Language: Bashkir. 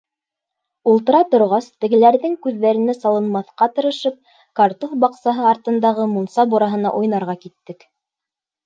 Ултыра торғас, тегеләрҙең күҙҙәренә салынмаҫҡа тырышып, картуф баҡсаһы артындағы мунса бураһына уйнарға киттек.